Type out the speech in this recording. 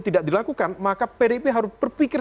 tidak dilakukan maka pdip harus berpikir